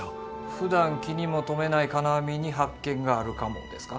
ふだん気にも留めない金網に発見があるかもですか？